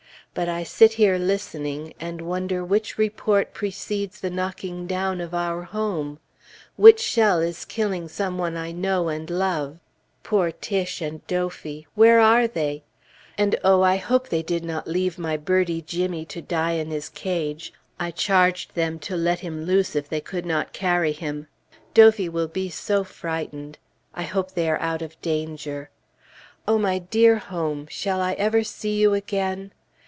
But I sit here listening, and wonder which report precedes the knocking down of our home; which shell is killing some one I know and love. Poor Tiche and Dophy! where are they? And oh, I hope they did not leave my birdie Jimmy to die in his cage. I charged them to let him loose if they could not carry him. Dophy will be so frightened. I hope they are out of danger. Oh, my dear home! shall I ever see you again?